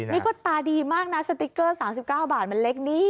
นี่ก็ตาดีมากนะสติ๊กเกอร์๓๙บาทมันเล็กนี่